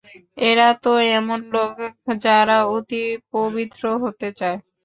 এরা তো এমন লোক যারা অতি পবিত্র হতে চায়।